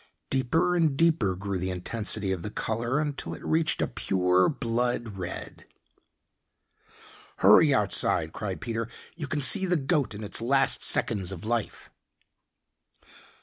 Deeper and deeper grew the intensity of the color until it reached a pure blood red. "Hurry outside," cried Peter. "You can see the goat in its last seconds of life."